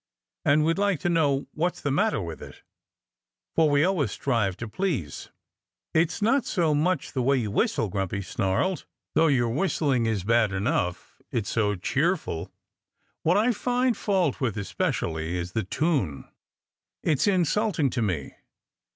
And we'd like to know what's the matter with it; for we always strive to please." "It's not so much the way you whistle," Grumpy snarled, "though your whistling is bad enough, it's so cheerful. What I find fault with especially is the tune. It's insulting to me.